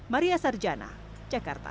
maria sarjana jakarta